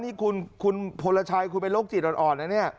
นี่คุณพลชัยคุณเป็นโรคจิตอ่อนนะเนี่ย